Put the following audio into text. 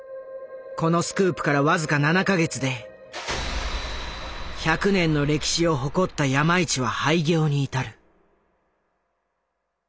このスクープから僅か７か月で１００年の歴史を誇った山一は廃業に至る。